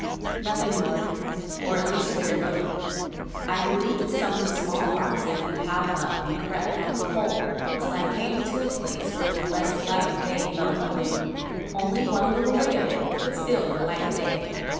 "Nothing, lord, or at least very little. I moved some of the small rocks that we piled up, and crept down the hole till I came to a place where the blessed light of day fell upon me, only one little ray of it, but still the light of day.